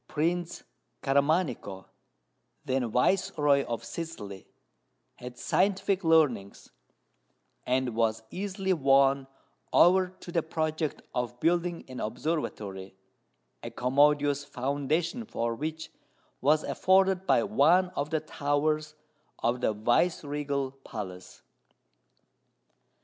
Prince Caramanico, then viceroy of Sicily, had scientific leanings, and was easily won over to the project of building an observatory, a commodious foundation for which was afforded by one of the towers of the viceregal palace.